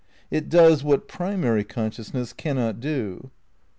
dary It does what primary consciousness cannot do.